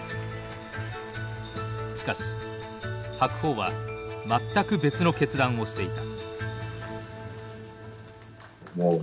しかし白鵬は全く別の決断をしていた。